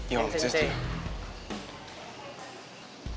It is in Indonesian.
ya om saya setuju